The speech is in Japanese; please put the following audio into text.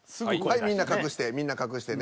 はいみんな隠して。